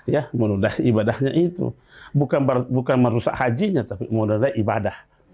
ya menudai ibadahnya itu bukan merusak hajinya tapi menudah ibadah